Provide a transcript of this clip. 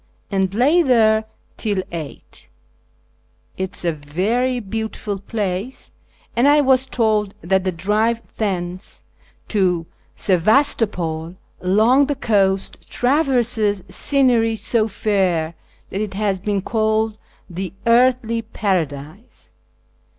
and lay there till 8. It is a very beautiful place, and I was told that the drive thence to Sebastopol along the coast traverses scenery so fair that it has been called " the Earthly Paradise."